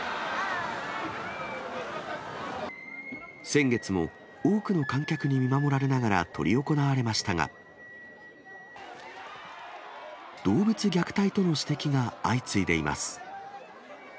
先月も多くの観客に見守られながら執り行われましたが、動物虐待との指摘が相次いでいます。